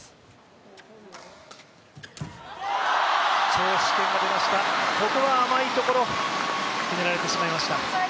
張殊賢が出ました、ここは甘いところ、決められてしまいました。